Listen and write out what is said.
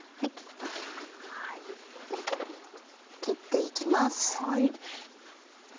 切って行きます。